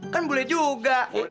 kan bule juga